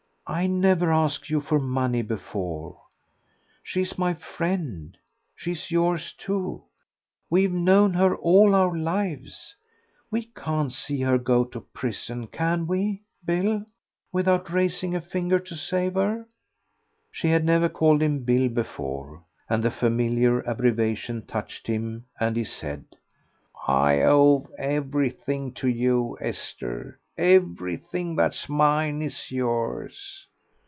"I never asked you for money before. She's my friend she's yours too we've known her all our lives. We can't see her go to prison, can we, Bill, without raising a finger to save her?" She had never called him Bill before, and the familiar abbreviation touched him, and he said "I owe everything to you, Esther; everything that's mine is yours.